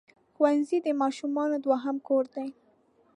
ښوونځی د ماشومانو دوهم کور دی.